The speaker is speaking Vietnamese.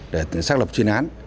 để xác lập chuyên án